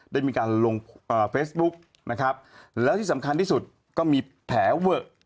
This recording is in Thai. ได้มีการลงเฟซบุ๊กนะครับแล้วที่สำคัญที่สุดก็มีแผลเวอะ